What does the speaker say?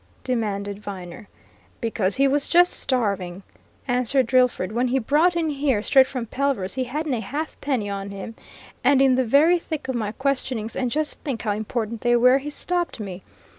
demanded Viner. "Because he was just starving," answered Drillford. "When he was brought in here, straight from Pelver's, he hadn't a halfpenny on him, and in the very thick of my questionings and just think how important they were! he stopped me.